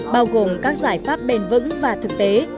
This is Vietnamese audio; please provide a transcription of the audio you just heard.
bao gồm các giải pháp bền vững và thực tế